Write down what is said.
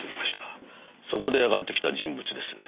そこで上がってきた人物です。